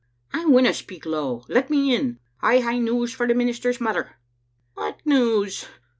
" I winna speak low. Let me in. I hae news for the minister's mother." "What news?"